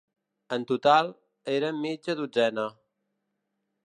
En total, eren mitja dotzena.